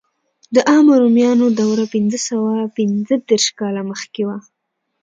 د عامو رومیانو دوره پنځه سوه پنځه دېرش کاله مخکې وه.